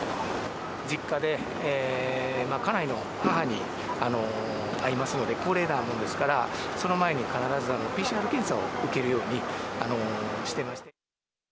実家で家内の母に会いますので、高齢なもんですから、その前に必ずＰＣＲ検査を受けるようにしていまして。